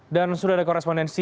dan sudah ada korespondensi